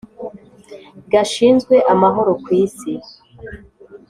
gashinzwe amahoro ku isi.